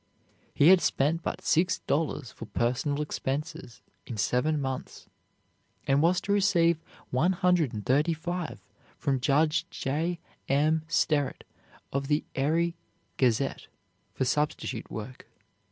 He had spent but six dollars for personal expenses in seven months, and was to receive one hundred and thirty five from Judge J. M. Sterret of the Erie "Gazette" for substitute work.